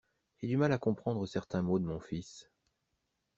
J'ai du mal à comprendre certains mots de mon fils.